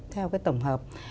hai mươi một theo cái tổng hợp